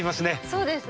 そうですね。